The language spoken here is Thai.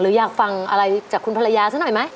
อยากฟังอะไรจากคุณภรรยาซะหน่อยไหม